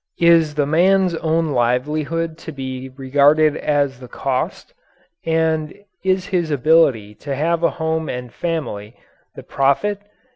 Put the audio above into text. Is the man's own livelihood to be regarded as the "cost"? And is his ability to have a home and family the "profit"?